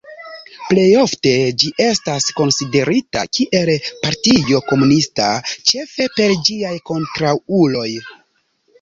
Plej ofte, ĝi estas konsiderita kiel partio komunista, ĉefe per ĝiaj kontraŭuloj.